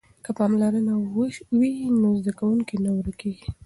که پاملرنه وي نو زده کوونکی نه ورکیږي.